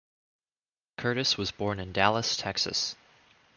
Curtis was born in Dallas, Texas.